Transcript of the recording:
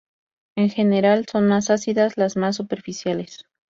En general son más ácidas las más superficiales.